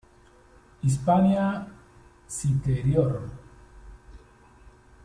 Hispania Citerior